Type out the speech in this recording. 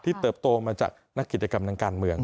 เติบโตมาจากนักกิจกรรมทางการเมือง